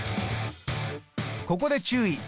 ここで注意。